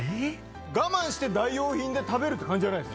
我慢して代用品で食べるっていう感じじゃないです。